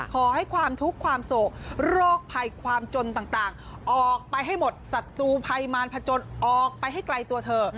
ขอให้ความทุกข์ความโศกโรคภัยความจนต่างออกไปให้หมดศัตรูภัยมารพจนออกไปให้ไกลตัวเธอ